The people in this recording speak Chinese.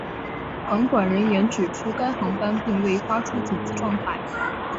航管人员指出该航班并未发出紧急状态。